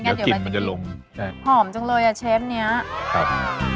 ไม่งั้นเดี๋ยวแบบนี้หอมจังเลยอ่ะเชฟเนี้ยครับ